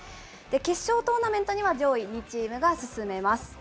決勝トーナメントには上位２チームが進めます。